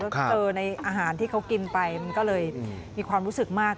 แล้วเจอในอาหารที่เขากินไปมันก็เลยมีความรู้สึกมาก